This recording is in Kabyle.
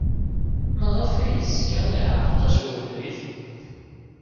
Maɣef ay yezga iɛerreq-as ubrid?